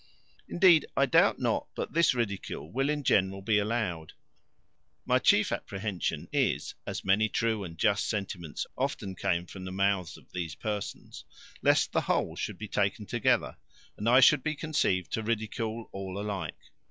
Indeed, I doubt not but this ridicule will in general be allowed: my chief apprehension is, as many true and just sentiments often came from the mouths of these persons, lest the whole should be taken together, and I should be conceived to ridicule all alike.